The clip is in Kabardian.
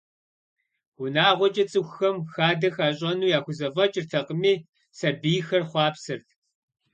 Унагъуэкӏэ цӏыхухэм хадэ хащӏэну яхузэфӏэкӏыртэкъыми, сабийхэр хъуапсэрт.